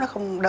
nó không đỡ